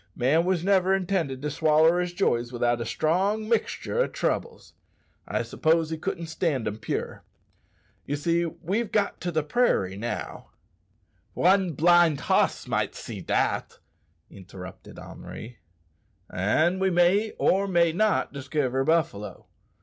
"Man wos never intended to swaller his joys without a strong mixtur' o' troubles. I s'pose he couldn't stand 'em pure. Ye see we've got to the prairie now " "One blind hoss might see dat!" interrupted Henri. "An' we may or may not diskiver buffalo.